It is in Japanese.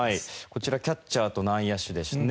こちらキャッチャーと内野手ですね。